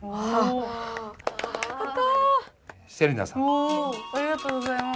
ありがとうございます。